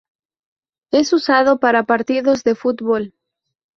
Es usado para partidos de fútbol.